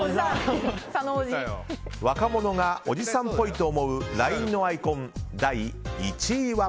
若者がおじさんっぽいと思うＬＩＮＥのアイコン、第１位は。